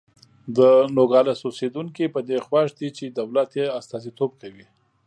د نوګالس اوسېدونکي په دې خوښ دي چې دولت یې استازیتوب کوي.